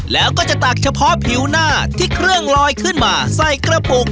แล้วก็จะตักเฉพาะผิวหน้าที่เครื่องลอยขึ้นมาใส่กระปุก